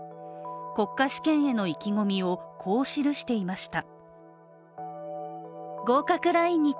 国家試験への意気込みをこう記していました。